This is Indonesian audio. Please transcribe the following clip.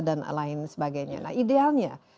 dan lain sebagainya nah idealnya